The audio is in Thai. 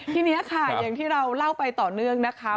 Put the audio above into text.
ทีนี้ค่ะอย่างที่เราเล่าไปต่อเนื่องนะคะ